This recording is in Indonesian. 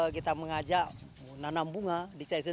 kita mengajak menanam bunga di season satu